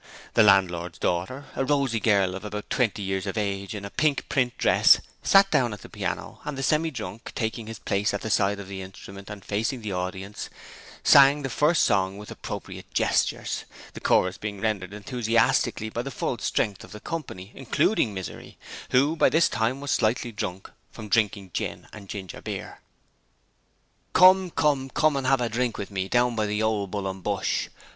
The landlord's daughter, a rosy girl of about twenty years of age, in a pink print dress, sat down at the piano, and the Semi drunk, taking his place at the side of the instrument and facing the audience, sang the first song with appropriate gestures, the chorus being rendered enthusiastically by the full strength of the company, including Misery, who by this time was slightly drunk from drinking gin and ginger beer: 'Come, come, come an' 'ave a drink with me Down by the ole Bull and Bush.